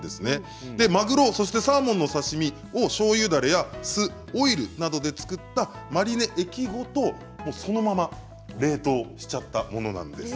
マグロやサーモンの刺身をしょうゆだれや酢やオイルなどで作ったマリネ液ごとそのまま冷凍しちゃったものなんです。